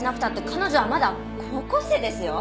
彼女はまだ高校生ですよ？